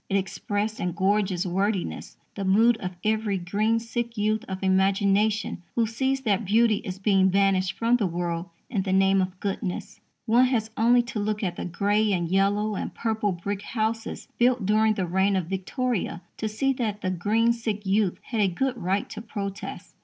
It expressed in gorgeous wordiness the mood of every green sick youth of imagination who sees that beauty is being banished from the world in the name of goodness. One has only to look at the grey and yellow and purple brick houses built during the reign of Victoria to see that the green sick youth had a good right to protest.